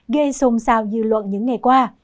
gây xôn xao dư luận những ngày qua